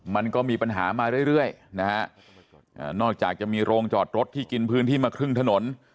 มันก็มีปัญหามาเรื่อยนะฮะนอกจากจะมีโรงจอดรถที่กินพื้นที่มาครึ่งถนน